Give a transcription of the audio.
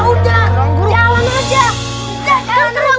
udah kan ke ruang guru sana